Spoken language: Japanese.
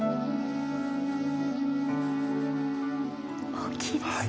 大きいですね。